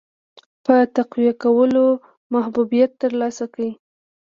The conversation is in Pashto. په تقویه کولو محبوبیت ترلاسه کړي.